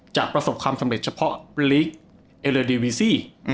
ประสบความสำเร็จเฉพาะลีกเอเลดีวีซี่